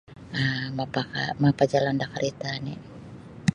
um Mapaka mapajalan da karita ni.